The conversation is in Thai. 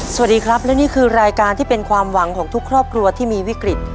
สวัสดีครับและนี่คือรายการที่เป็นความหวังของทุกครอบครัวที่มีวิกฤต